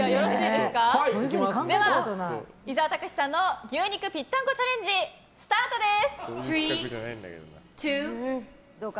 では、伊沢拓司さんの牛肉ぴったんこチャレンジスタートです！